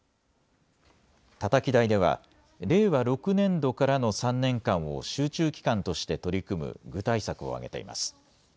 たたき台では、令和６年度からの３年間を集中期間として取り組む具体策を挙げています。